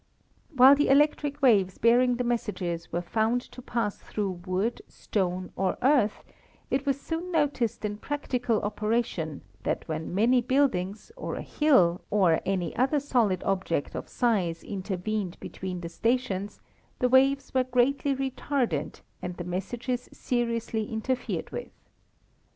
While the electric waves bearing the messages were found to pass through wood, stone, or earth, it was soon noticed in practical operation that when many buildings, or a hill, or any other solid object of size intervened between the stations the waves were greatly retarded and the messages seriously interfered with.